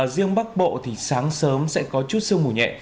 riêng bắc bộ thì sáng sớm sẽ có chút sương mù nhẹ